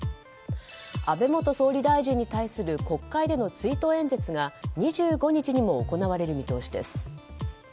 安倍元総理大臣に対する国会での追悼演説が２５日にも行われる見通しです。